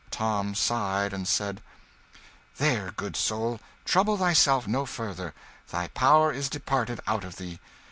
Tom sighed, and said "There, good soul, trouble thyself no further, thy power is departed out of thee.